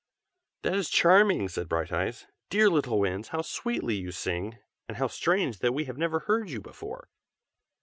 "That is charming!" said Brighteyes. "Dear little Winds, how sweetly you sing! and how strange that we have never heard you before."